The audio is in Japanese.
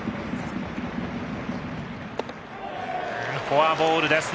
フォアボールです。